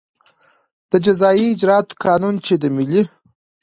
د جزایي اجراآتو قانون چې د ملي